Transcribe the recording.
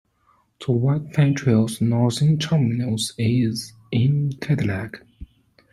The White Pine Trail's northern terminus is in Cadillac.